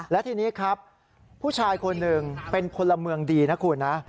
และทีนี้ครับผู้ชายคนหนึ่งเป็นพลเมืองดีนะคุณนะ